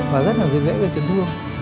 và rất là dễ chấn thương